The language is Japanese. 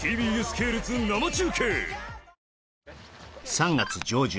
３月上旬